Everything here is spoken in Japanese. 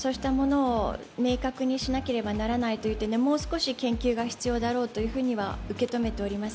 明確にしなければならないということでもう少し研究が必要だろうとは受け止めております。